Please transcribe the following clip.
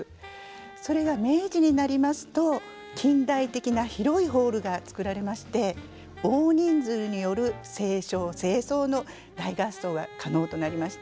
それが明治になりますと近代的な広いホールが造られまして大人数による斉唱斉奏の大合奏が可能となりました。